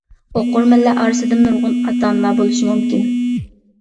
ئوقۇرمەنلەر ئارىسىدىمۇ نۇرغۇن ئاتا-ئانىلار بولۇشى مۇمكىن.